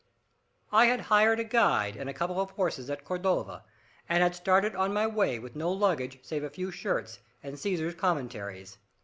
I had hired a guide and a couple of horses at Cordova, and had started on my way with no luggage save a few shirts, and Caesar's Commentaries.